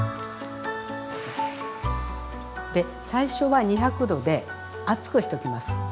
で最初は２００℃で熱くしときます。